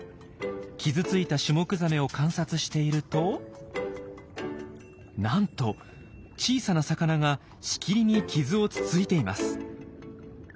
傷ついたシュモクザメを観察しているとなんと小さな魚がしきりに傷をつついています。